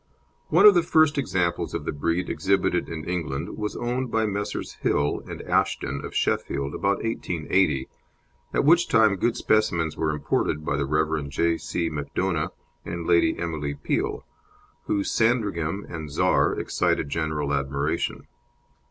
One of the first examples of the breed exhibited in England was owned by Messrs. Hill and Ashton, of Sheffield, about 1880, at which time good specimens were imported by the Rev. J. C. Macdona and Lady Emily Peel, whose Sandringham and Czar excited general admiration.